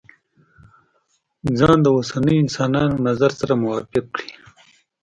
ځان د اوسنيو انسانانو نظر سره موافق کړي.